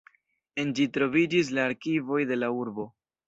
En ĝi troviĝis la arkivoj de la urbo.